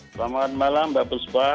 selamat malam mbak buspa